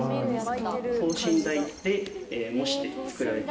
等身大で模して作られた。